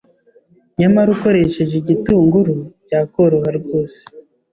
nyamara ukoresheje igitunguru byakoroha rwose.'